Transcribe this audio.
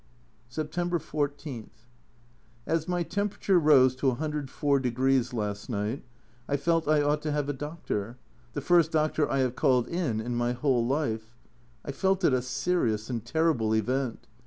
September 14. As my temperature rose to 104 last night I felt I ought to have a doctor the first doctor I have called in in my whole life ! I felt it a serious and terrible event.